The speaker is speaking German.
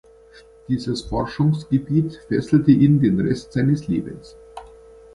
Dieses Forschungsgebiet fesselte ihn den Rest seines Lebens.